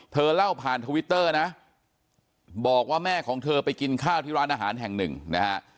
เธอเล่าผ่านทวิตเตอร์นะบอกว่าแม่ของเธอไปกินข้าวที่ร้านอาหารแห่งหนึ่งนะฮะ